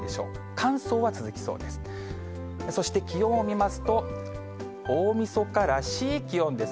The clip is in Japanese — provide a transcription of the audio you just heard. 乾燥は続きそうです。